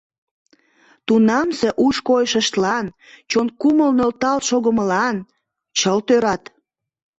Тунамсе уш-койышыштлан, чон кумыл нӧлталт шогымылан чылт ӧрат!...